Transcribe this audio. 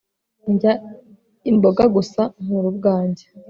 ndya imboga gusa nkura ubwanjye